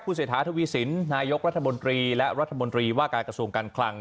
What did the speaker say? เศรษฐาทวีสินนายกรัฐมนตรีและรัฐมนตรีว่าการกระทรวงการคลัง